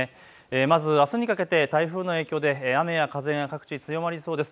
まずあすにかけて台風の影響で雨や風が各地強まりそうです。